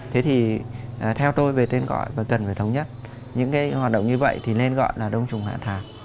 thế thì theo tôi về tên gọi và cần phải thống nhất những cái hoạt động như vậy thì nên gọi là đông trùng hạ thảo